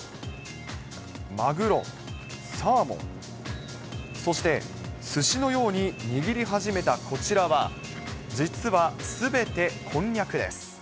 マグロ、サーモン、そして、すしのように握り始めたこちらは、実はすべてこんにゃくです。